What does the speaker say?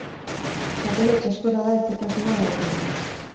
Txapela itsaskorra da hezetasuna dagoenean.